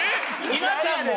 稲ちゃんも。